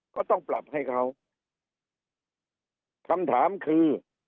ก็ต้องปรับให้เขาคำถามคือ